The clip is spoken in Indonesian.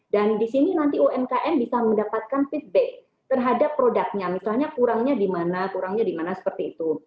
dan di sini nanti umkm bisa mendapatkan feedback terhadap produknya misalnya kurangnya di mana kurangnya di mana seperti itu